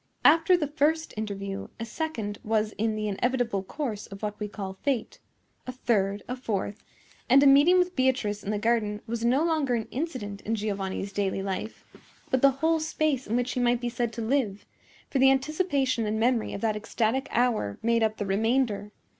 After the first interview, a second was in the inevitable course of what we call fate. A third; a fourth; and a meeting with Beatrice in the garden was no longer an incident in Giovanni's daily life, but the whole space in which he might be said to live; for the anticipation and memory of that ecstatic hour made up the remainder.